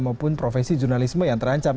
maupun profesi jurnalisme yang terancam